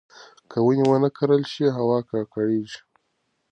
که ونې ونه کرل شي، هوا ککړېږي.